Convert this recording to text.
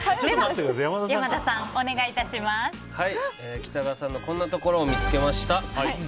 北川さんのこんなところを見つけました。